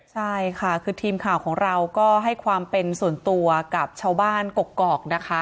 ใช่ค่ะคือทีมข่าวของเราก็ให้ความเป็นส่วนตัวกับชาวบ้านกกอกนะคะ